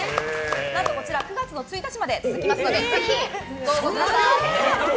何とこちら９月１日まで続きますのでぜひご応募ください。